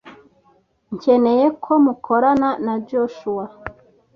nkeneye ko mukorana na Joshua.